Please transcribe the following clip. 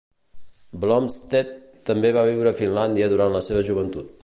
Blomstedt també va viure a Finlàndia durant la seva joventut.